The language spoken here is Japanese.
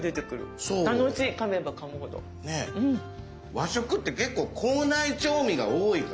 和食って結構口内調味が多いから。